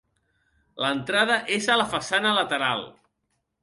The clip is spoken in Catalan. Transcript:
L'entrada és a la façana lateral.